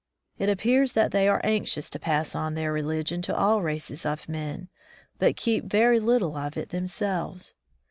It appears that they are anxious to pass on their religion to all races of men, but keep very little of it themselves.